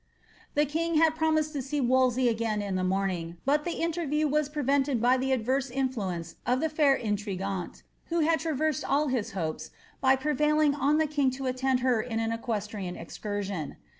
The king had promised to see Wolsey again in the morning, but the interview was prevented by the adverse influence of the fair intrigueanta, who had traversed all his hopes, by prevailing on the king to attend her m an equestrian excursion.